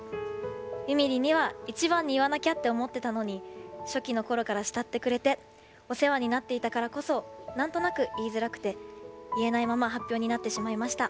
ゆみりんには一番に言わなきゃって思ってたのに初期のころから慕ってくれてお世話になっていたからこそなんとなく言いづらくて、言えないまま発表になってしまいました。